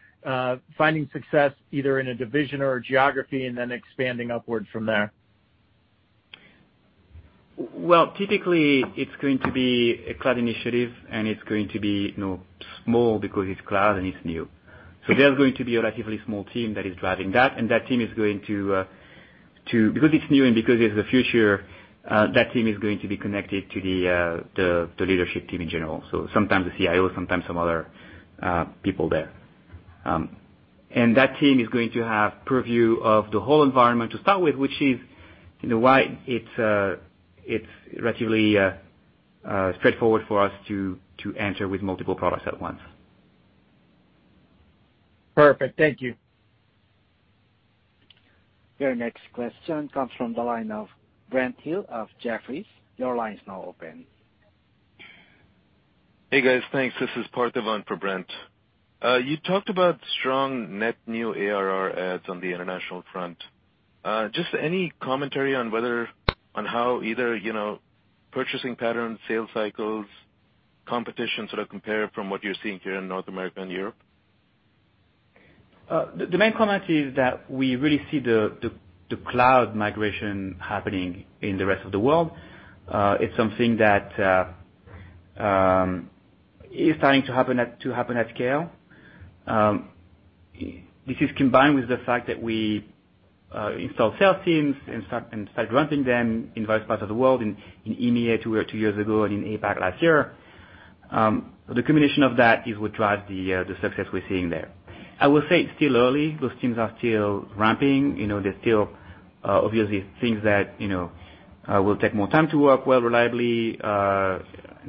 Speaker 10: finding success either in a division or a geography and then expanding upwards from there?
Speaker 3: Typically, it's going to be a cloud initiative, and it's going to be, you know, small because it's cloud and it's new. There's going to be a relatively small team that is driving that, and that team is going to, because it's new and because it's the future, that team is going to be connected to the leadership team in general. Sometimes the CIO, sometimes some other people there. That team is going to have purview of the whole environment to start with, which is, you know, why it's relatively straightforward for us to enter with multiple products at once.
Speaker 10: Perfect. Thank you.
Speaker 1: Your next question comes from the line of Brent Thill of Jefferies. Your line is now open.
Speaker 11: Hey, guys. Thanks. This is Parthiv on for Brent Thill. You talked about strong net new ARR adds on the international front. Just any commentary on how either, you know, purchasing patterns, sales cycles, competition sort of compare from what you're seeing here in North America and Europe?
Speaker 3: The main comment is that we really see the cloud migration happening in the rest of the world. It's something that is starting to happen at scale. This is combined with the fact that we install sales teams and start ramping them in various parts of the world, in EMEA two years ago and in APAC last year. The combination of that is what drives the success we're seeing there. I will say it's still early. Those teams are still ramping. You know, there's still obviously things that, you know, will take more time to work well reliably. You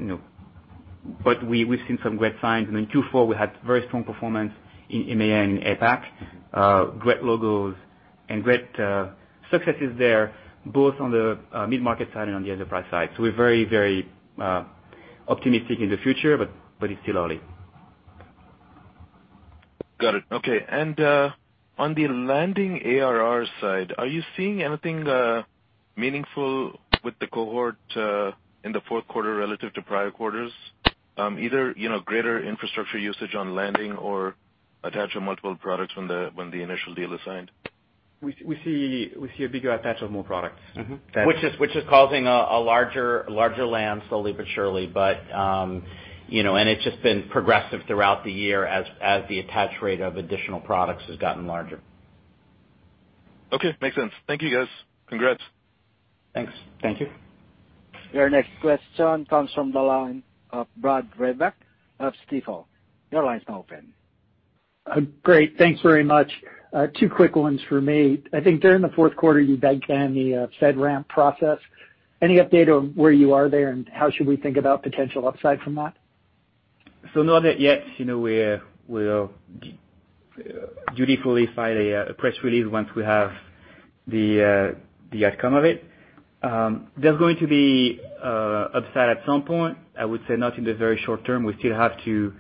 Speaker 3: know, we've seen some great signs. In Q4, we had very strong performance in EMEA and APAC. Great logos and great successes there, both on the mid-market side and on the enterprise side. We're very, very optimistic in the future, but it's still early.
Speaker 11: Got it. Okay. On the landing ARR side, are you seeing anything meaningful with the cohort in the fourth quarter relative to prior quarters? Either, you know, greater infrastructure usage on landing or attach on multiple products when the initial deal is signed?
Speaker 3: We see a bigger attach of more products.
Speaker 4: Which is causing a larger land slowly but surely. You know, and it's just been progressive throughout the year as the attach rate of additional products has gotten larger.
Speaker 11: Okay. Makes sense. Thank you, guys. Congrats.
Speaker 3: Thanks.
Speaker 4: Thank you.
Speaker 1: Your next question comes from the line of Brad Reback of Stifel. Your line is now open.
Speaker 12: Great. Thanks very much. Two quick ones from me. I think during the fourth quarter you began the, FedRAMP process. Any update on where you are there, and how should we think about potential upside from that?
Speaker 3: Not yet. You know, we'll dutifully file a press release once we have the outcome of it. There's going to be a upside at some point. I would say not in the very short term. We still have to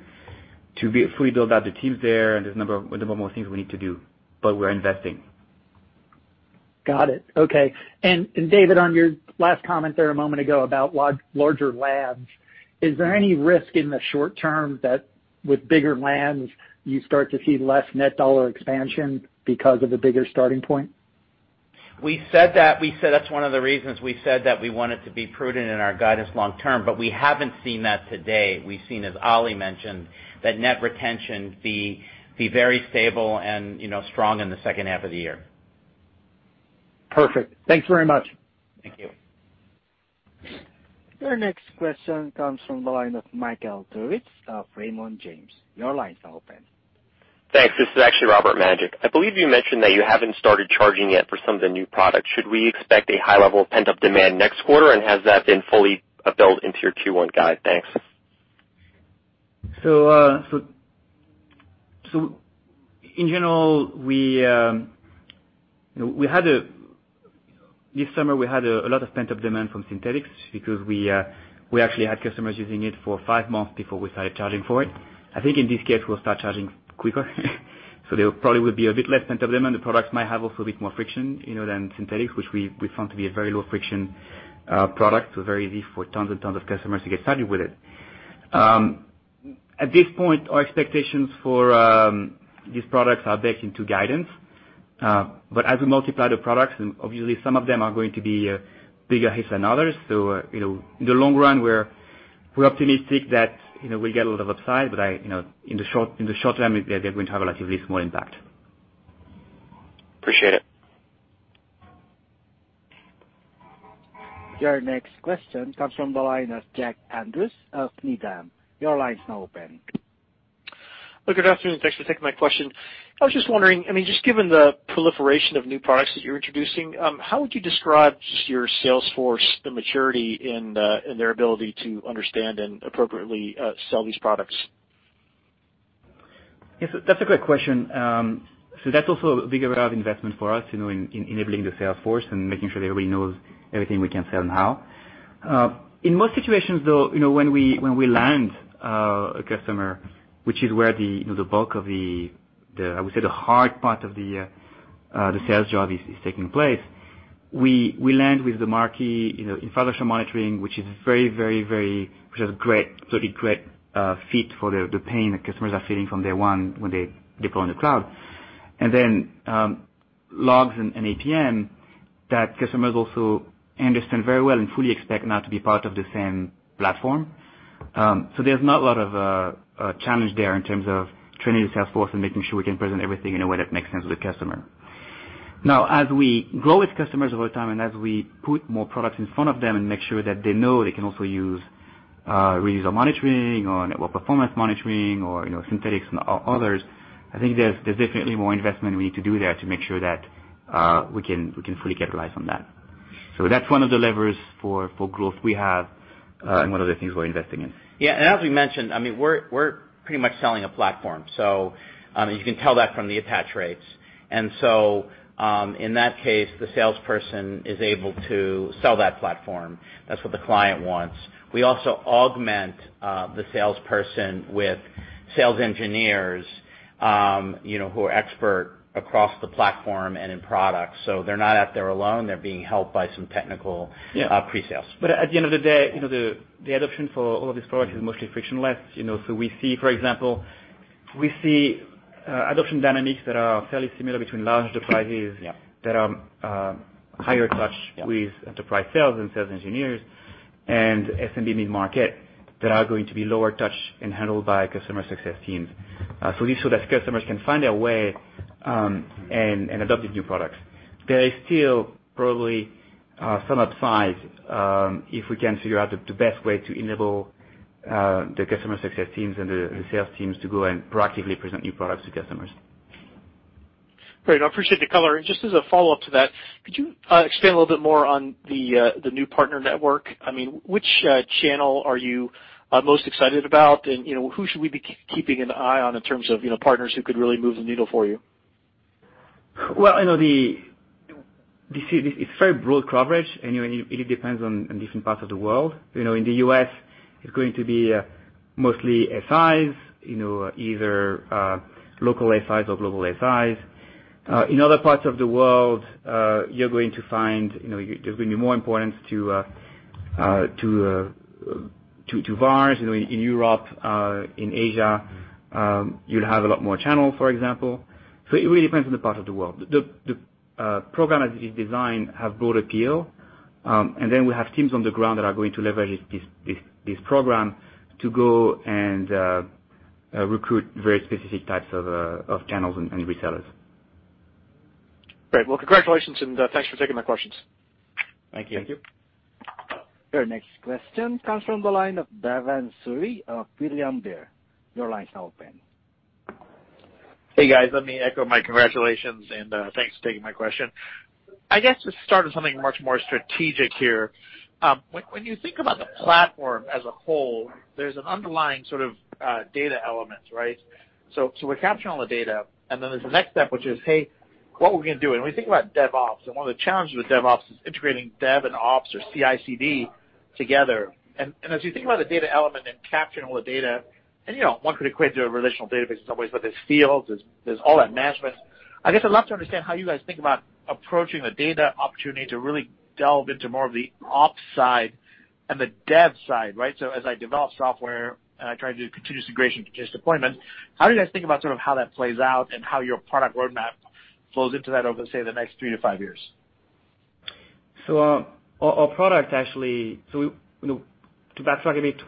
Speaker 3: be fully build out the teams there, and there's a number more things we need to do, but we're investing.
Speaker 12: Got it. Okay. David, on your last comment there a moment ago about larger lands, is there any risk in the short term that with bigger lands you start to see less net dollar expansion because of the bigger starting point?
Speaker 4: We said that. We said that's one of the reasons we said that we wanted to be prudent in our guidance long term. We haven't seen that today. We've seen, as Oli mentioned, that net retention be very stable and, you know, strong in the second half of the year.
Speaker 12: Perfect. Thanks very much.
Speaker 4: Thank you.
Speaker 1: Your next question comes from the line of Michael Turits of Raymond James. Your line is now open.
Speaker 13: Thanks. This is actually Robert Majek. I believe you mentioned that you haven't started charging yet for some of the new products. Should we expect a high level of pent-up demand next quarter, and has that been fully built into your Q1 guide? Thanks.
Speaker 3: In general, we, you know, we had a lot of pent-up demand from Synthetics because we actually had customers using it for five months before we started charging for it. I think in this case, we'll start charging quicker. There probably would be a bit less pent-up demand. The products might have also a bit more friction, you know, than Synthetics, which we found to be a very low friction product, very easy for tons and tons of customers to get started with it. At this point, our expectations for these products are baked into guidance. As we multiply the products, and obviously some of them are going to be bigger hits than others. You know, in the long run, we're optimistic that, you know, we'll get a lot of upside. I, you know, in the short term, they're going to have a relatively small impact.
Speaker 13: Appreciate it.
Speaker 1: Your next question comes from the line of Jack Andrews of Needham. Your line is now open.
Speaker 14: Look, good afternoon. Thanks for taking my question. I was just wondering, I mean, just given the proliferation of new products that you're introducing, how would you describe just your sales force, the maturity in their ability to understand and appropriately sell these products?
Speaker 3: Yes, that's a great question. That's also a big area of investment for us, you know, in enabling the sales force and making sure that everybody knows everything we can sell now. In most situations, though, you know, when we, when we land a customer, which is where the, you know, the bulk of the, I would say the hard part of the sales job is taking place. We, we land with the marquee, you know, Infrastructure Monitoring, which is great, totally great fit for the pain that customers are feeling from day one when they deploy in the cloud. Logs and APM, that customers also understand very well and fully expect now to be part of the same platform. There's not a lot of challenge there in terms of training the sales force and making sure we can present everything in a way that makes sense to the customer. As we grow with customers over time and as we put more products in front of them and make sure that they know they can also use Infrastructure Monitoring or Network Performance Monitoring or Synthetics and others, I think there's definitely more investment we need to do there to make sure that we can fully capitalize on that. That's one of the levers for growth we have and one of the things we're investing in.
Speaker 4: Yeah. As we mentioned, I mean, we're pretty much selling a platform, so you can tell that from the attach rates. In that case, the salesperson is able to sell that platform. That's what the client wants. We also augment the salesperson with sales engineers, you know, who are expert across the platform and in products. They're not out there alone. They're being helped by some technical-
Speaker 3: Yeah.
Speaker 4: pre-sales.
Speaker 3: At the end of the day, you know, the adoption for all of these products is mostly frictionless. You know, for example, we see adoption dynamics that are fairly similar between large enterprises.
Speaker 14: Yeah.
Speaker 3: that are higher touch.
Speaker 14: Yeah.
Speaker 3: With enterprise sales and sales engineers and SMB mid-market that are going to be lower touch and handled by customer success teams. That customers can find their way and adopt these new products. There is still probably some upside if we can figure out the best way to enable the customer success teams and the sales teams to go and proactively present new products to customers.
Speaker 14: Great. I appreciate the color. Just as a follow-up to that, could you expand a little bit more on the new Partner Network? I mean, which channel are you most excited about? You know, who should we be keeping an eye on in terms of, you know, partners who could really move the needle for you?
Speaker 3: Well, you know, this is it's very broad coverage, and, you know, it depends on different parts of the world. You know, in the U.S. it's going to be mostly SIs, you know, either local SIs or global SIs. In other parts of the world, you're going to find, you know, there's gonna be more importance to VARs. You know, in Europe, in Asia, you'll have a lot more channel, for example. It really depends on the part of the world. The program as it is designed have broad appeal. And then we have teams on the ground that are going to leverage this program to go and recruit very specific types of channels and resellers.
Speaker 14: Great. Well, congratulations and, thanks for taking my questions.
Speaker 3: Thank you.
Speaker 14: Thank you.
Speaker 1: Your next question comes from the line of Bhavan Suri of William Blair.
Speaker 15: Hey, guys, let me echo my congratulations and thanks for taking my question. I guess to start with something much more strategic here. When you think about the platform as a whole, there's an underlying sort of data element, right? We're capturing all the data, then there's the next step, which is, hey, what we're gonna do. When we think about DevOps, one of the challenges with DevOps is integrating dev and ops or CI/CD together. As you think about the data element capturing all the data, you know, one could equate to a relational database in some ways, but there's fields, there's all that management. I guess I'd love to understand how you guys think about approaching the data opportunity to really delve into more of the ops side and the dev side, right? As I develop software and I try to do continuous integration, continuous deployment, how do you guys think about sort of how that plays out and how your product roadmap flows into that over, say, the next three to five years?
Speaker 3: Our product actually, you know, to backtrack a bit,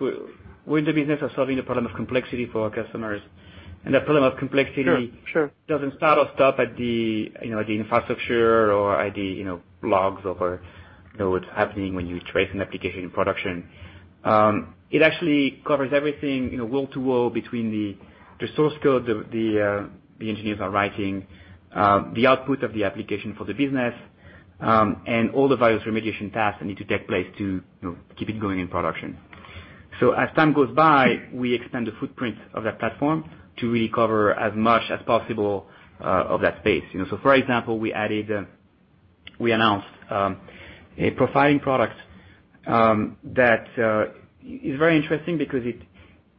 Speaker 3: we're in the business of solving the problem of complexity for our customers. The problem of complexity.
Speaker 15: Sure, sure.
Speaker 3: doesn't start or stop at the, you know, at the infrastructure or at the, you know, logs or, you know, what's happening when you trace an application in production. It actually covers everything, you know, wall to wall between the source code the engineers are writing, the output of the application for the business, and all the various remediation tasks that need to take place to, you know, keep it going in production. As time goes by, we expand the footprint of that platform to really cover as much as possible of that space. For example, we added, we announced a profiling product that is very interesting because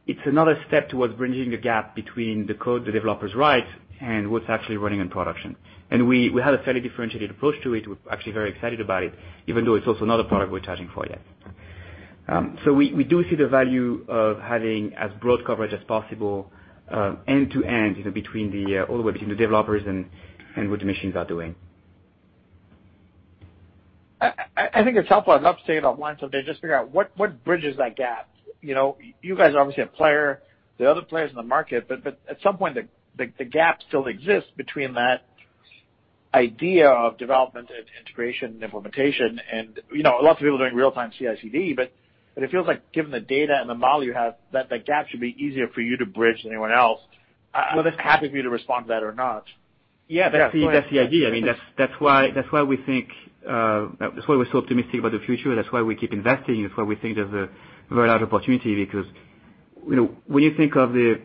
Speaker 3: it's another step towards bridging the gap between the code the developers write and what's actually running in production. We had a fairly differentiated approach to it. We're actually very excited about it, even though it's also not a product we're charging for yet. We do see the value of having as broad coverage as possible, end to end, you know, between all the way between the developers and what the machines are doing.
Speaker 15: I think it's helpful. I'd love to stay at a high level today, just figure out what bridges that gap. You know, you guys are obviously a player. There are other players in the market, but at some point, the gap still exists between that idea of development and integration and implementation. You know, lots of people are doing real-time CI/CD, but it feels like given the data and the model you have, that the gap should be easier for you to bridge than anyone else. I'm happy for you to respond to that or not.
Speaker 3: Yeah, that's the idea. I mean, that's why we think, that's why we're so optimistic about the future. That's why we keep investing. That's why we think there's a very large opportunity because, you know,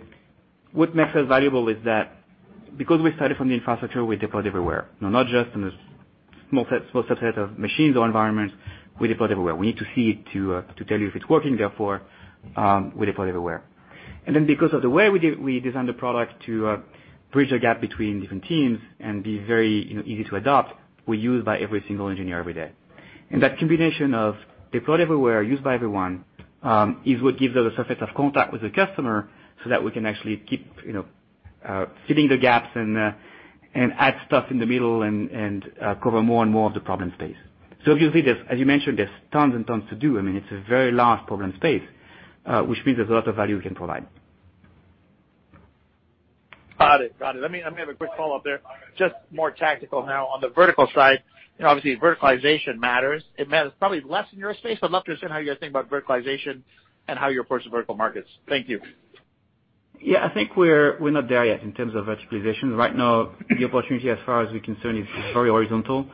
Speaker 3: what makes us valuable is that because we started from the infrastructure, we deploy everywhere. Not just in a small subset of machines or environments. We deploy everywhere. We need to see it to tell you if it's working, therefore, we deploy everywhere. Because of the way we design the product to bridge the gap between different teams and be very, you know, easy to adopt, we're used by every single engineer every day. That combination of deployed everywhere, used by everyone, is what gives us a surface of contact with the customer so that we can actually keep, you know, filling the gaps and add stuff in the middle and cover more and more of the problem space. Obviously, there's, as you mentioned, there's tons and tons to do. I mean, it's a very large problem space, which means there's a lot of value we can provide.
Speaker 15: Got it. Got it. Let me have a quick follow-up there. Just more tactical now. On the vertical side, you know, obviously verticalization matters. It matters probably less in your space, but I'd love to understand how you guys think about verticalization and how you approach the vertical markets. Thank you.
Speaker 3: Yeah. I think we're not there yet in terms of verticalization. Right now, the opportunity as far as we're concerned is very horizontal.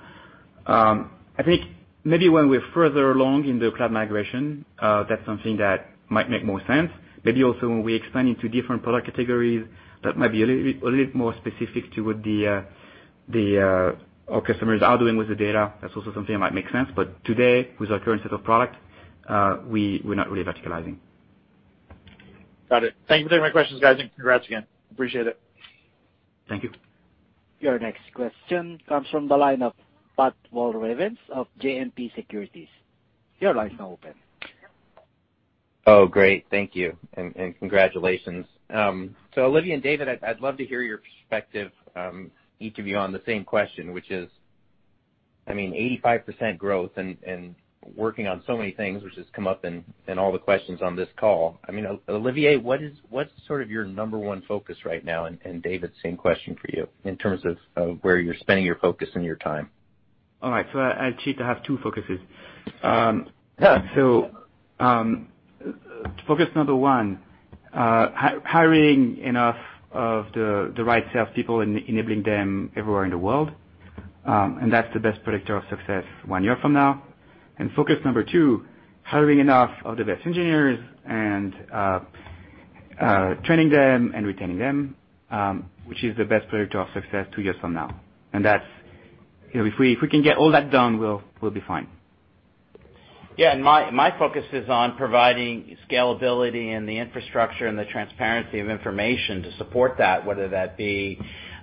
Speaker 3: I think maybe when we're further along in the cloud migration, that's something that might make more sense. Maybe also when we expand into different product categories, that might be a little bit more specific to what our customers are doing with the data. That's also something that might make sense. Today, with our current set of products, we're not really verticalizing.
Speaker 15: Got it. Thank you for taking my questions, guys, and congrats again. Appreciate it.
Speaker 3: Thank you.
Speaker 1: Your next question comes from the line of Pat Walravens of JMP Securities. Your line's now open.
Speaker 16: Oh, great. Thank you. And, and congratulations. Olivier and David, I'd love to hear your perspective, each of you on the same question, which is I mean, 85% growth and working on so many things, which has come up in all the questions on this call. I mean, Olivier, what's sort of your number one focus right now? David, same question for you in terms of where you're spending your focus and your time.
Speaker 3: All right. I cheat. I have two focuses. Focus number one, hiring enough of the right salespeople and enabling them everywhere in the world, and that's the best predictor of success one year from now. Focus number two, hiring enough of the best engineers and training them and retaining them, which is the best predictor of success two years from now. That's You know, if we, if we can get all that done, we'll be fine.
Speaker 4: Yeah. My focus is on providing scalability and the infrastructure and the transparency of information to support that, whether that be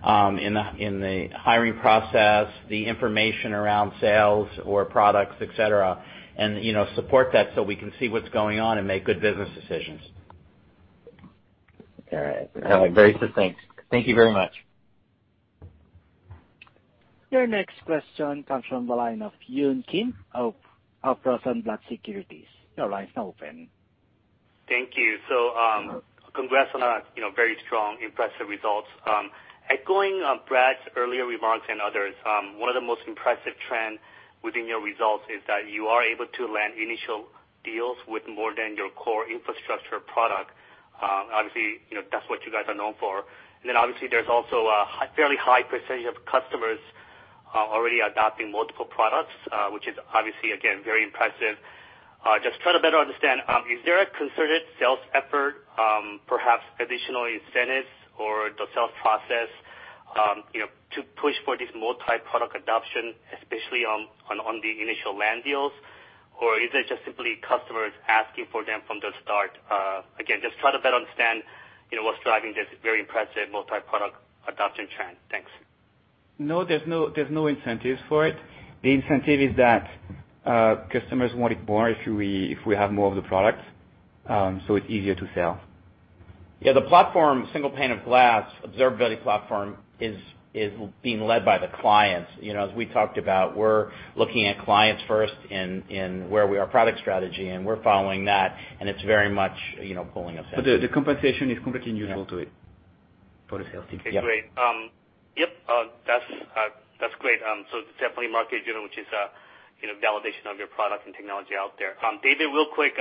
Speaker 4: in the hiring process, the information around sales or products, et cetera. You know, support that so we can see what's going on and make good business decisions.
Speaker 16: All right. Very succinct. Thank you very much.
Speaker 1: Your next question comes from the line of Yun Kim of Rosenblatt Securities. Your line's now open.
Speaker 17: Thank you. Congrats on a, you know, very strong impressive results. Echoing Brad's earlier remarks and others, one of the most impressive trend within your results is that you are able to land initial deals with more than your core infrastructure product. Obviously, you know, that's what you guys are known for. Obviously, there's also a fairly high percentage of customers already adopting multiple products, which is obviously, again, very impressive. Just trying to better understand, is there a concerted sales effort, perhaps additional incentives or the sales process, you know, to push for this multi-product adoption, especially on the initial land deals? Is it just simply customers asking for them from the start? Again, just try to better understand, you know, what's driving this very impressive multi-product adoption trend. Thanks.
Speaker 3: No, there's no incentives for it. The incentive is that customers want it more if we have more of the products, it's easier to sell.
Speaker 4: Yeah. The platform, single pane of glass observability platform, is being led by the clients. You know, as we talked about, we're looking at clients first in where we are product strategy, and we're following that, and it's very much, you know, pulling us in.
Speaker 3: The compensation is completely neutral to it for the sales team.
Speaker 17: That's great. Yep, that's great. Definitely market driven, which is, you know, validation of your product and technology out there. David, real quick,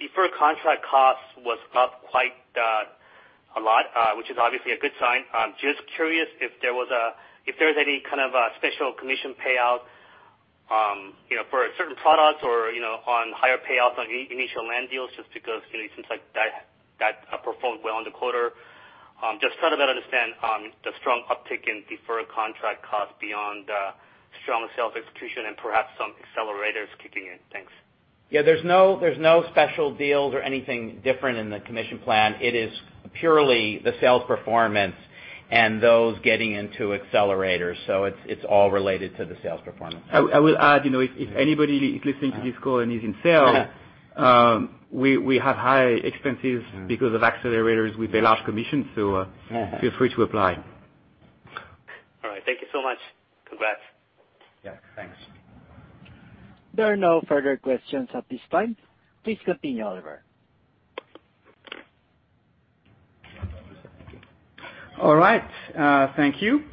Speaker 17: deferred contract costs was up quite a lot, which is obviously a good sign. Just curious if there was any kind of a special commission payout, you know, for certain products or, you know, on higher payouts on initial land deals just because, you know, it seems like that performed well in the quarter. Just try to better understand the strong uptick in deferred contract costs beyond strong sales execution and perhaps some accelerators kicking in. Thanks.
Speaker 4: Yeah, there's no special deals or anything different in the commission plan. It is purely the sales performance and those getting into accelerators. It's all related to the sales performance.
Speaker 3: I will add, you know, if anybody is listening to this call and is in sales. We have high expenses because of accelerators with a large commission, so. Feel free to apply.
Speaker 17: All right. Thank you so much. Congrats.
Speaker 4: Yeah, thanks.
Speaker 1: There are no further questions at this time. Please continue, Olivier.
Speaker 3: All right. Thank you.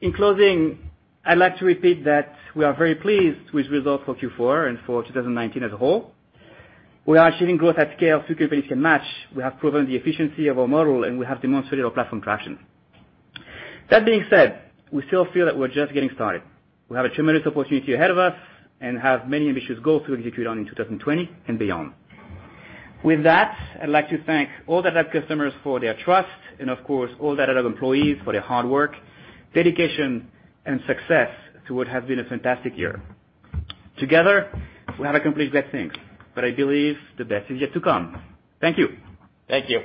Speaker 3: In closing, I'd like to repeat that we are very pleased with results for Q4 and for 2019 as a whole. We are achieving growth at scale through capability and match. We have proven the efficiency of our model, and we have demonstrated our platform traction. That being said, we still feel that we're just getting started. We have a tremendous opportunity ahead of us and have many ambitious goals to execute on in 2020 and beyond. With that, I'd like to thank all Datadog customers for their trust and of course, all Datadog employees for their hard work, dedication, and success to what has been a fantastic year. Together, we have accomplished great things, but I believe the best is yet to come. Thank you.
Speaker 4: Thank you.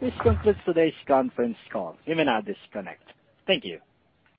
Speaker 1: This concludes today's conference call. You may now disconnect. Thank you.